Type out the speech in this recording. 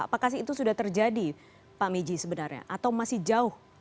apakah itu sudah terjadi pak miji sebenarnya atau masih jauh